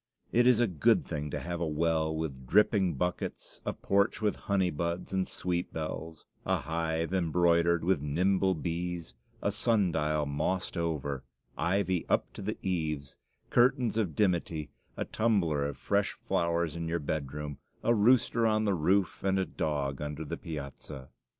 It is a good thing to have a well with dripping buckets, a porch with honey buds and sweet bells, a hive embroidered with nimble bees, a sun dial mossed over, ivy up to the eaves, curtains of dimity, a tumbler of fresh flowers in your bedroom, a rooster on the roof, and a dog under the piazza.